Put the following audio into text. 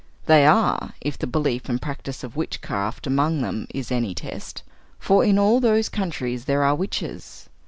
They are, if the belief and practice of witchcraft among them is any test; for in all those countries there are witches.